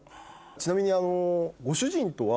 ちなみに。